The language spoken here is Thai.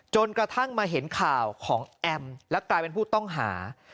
จนกระทั่งมาเห็นข่าวของแอมและกลายเป็นผู้ต้องหา